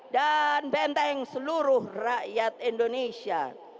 dan benteng seluruh rakyat indonesia